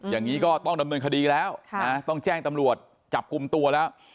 อย่างนี้ก็ต้องดำเนินคดีแล้วต้องแจ้งตำรวจจับกลุ่มตัวแล้ว